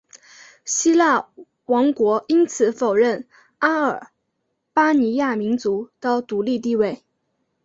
希腊王国因此否认阿尔巴尼亚民族的独立地位。